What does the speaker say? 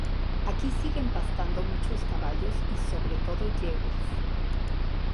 Aquí siguen pastando muchos caballos y sobre todo yeguas.